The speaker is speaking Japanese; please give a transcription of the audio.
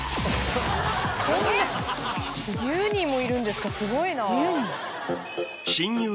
１０人もいるんですかすごいな。